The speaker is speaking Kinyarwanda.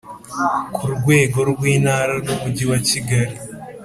ku rwego rw’intara nu umujyi wa kigali: